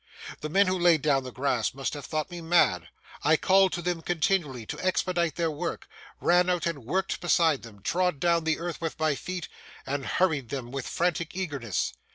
The men who laid down the grass must have thought me mad. I called to them continually to expedite their work, ran out and worked beside them, trod down the earth with my feet, and hurried them with frantic eagerness.